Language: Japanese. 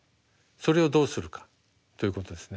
それをどうするかということですね。